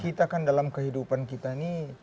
kita kan dalam kehidupan kita ini